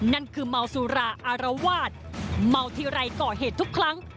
นั่นคือเมาสุราอารวาสเมาทีไรก่อเหตุทุกครั้ง